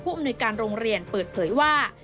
อำนวยการโรงเรียนเปิดเผยว่า